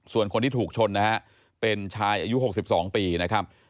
ส่วนคนที่ถูกชนนะฮะเป็นชายอายุ๖๒ปีนะครับ